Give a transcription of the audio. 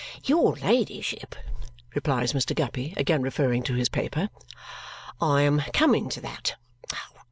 "Your ladyship," replies Mr. Guppy, again referring to his paper, "I am coming to that.